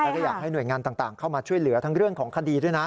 แล้วก็อยากให้หน่วยงานต่างเข้ามาช่วยเหลือทั้งเรื่องของคดีด้วยนะ